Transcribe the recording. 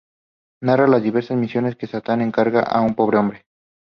Narra las diversas misiones que Satán encarga a un pobre hombre.